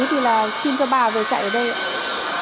thì là xin cho bà vừa chạy ở đây ạ